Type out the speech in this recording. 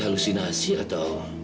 ya sudah taruh sana